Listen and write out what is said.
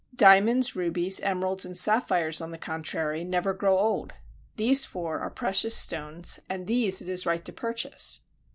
Diamonds, rubies, emeralds, and sapphires, on the contrary, never grow old; these four are precious stones, and these it is right to purchase.